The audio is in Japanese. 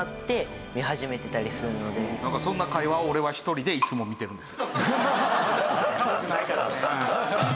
そんな会話を俺は１人でいつも見てるんです。